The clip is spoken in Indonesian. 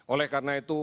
oleh karena itu